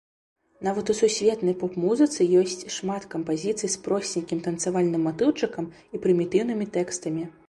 Нават у сусветнай поп-музыцы ёсць шмат кампазіцый з просценькім танцавальным матыўчыкам і прымітыўнымі тэкстамі.